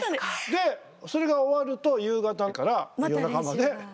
でそれが終わると夕方から夜中まで。